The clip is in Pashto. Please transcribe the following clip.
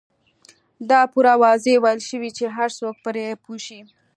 دا پوره واضح ويل شوي چې هر څوک پرې پوه شي.